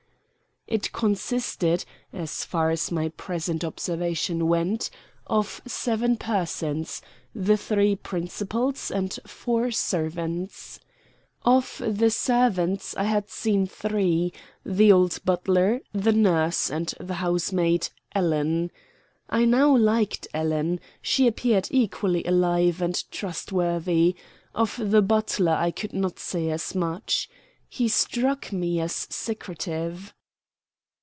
It consisted, as far as my present observation went, of seven persons, the three principals and four servants. Of the servants I had seen three, the old butler, the nurse, and the housemaid, Ellen. I now liked Ellen; she appeared equally alive and trustworthy; of the butler I could not say as much. He struck me as secretive.